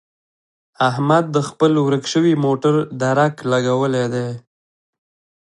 احمد د خپل ورک شوي موټر درک لګولی دی.